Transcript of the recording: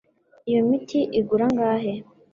iyo miti igura angahe